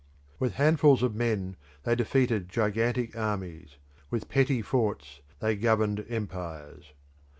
With handfuls of men they defeated gigantic armies; with petty forts they governed empires.